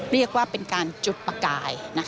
เรียกว่าเป็นการจุดประกาย